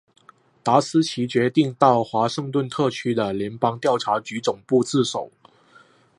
达斯奇决定到华盛顿特区的联邦调查局总部自首。